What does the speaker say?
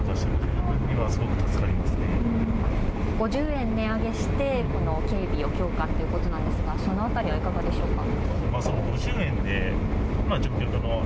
５０円値上げして警備を強化ということなんですがその辺りはいかがでしょうか。